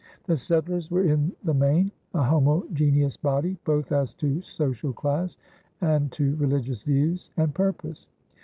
The settlers were in the main a homogeneous body, both as to social class and to religious views and purpose.